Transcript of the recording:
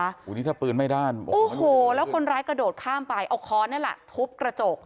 โอ้โหนี่ถ้าปืนไม่ด้านโอ้โหแล้วคนร้ายกระโดดข้ามไปเอาค้อนนี่แหละทุบกระจก